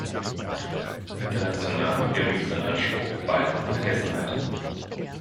International geriet sein Anspruch bald in Vergessenheit.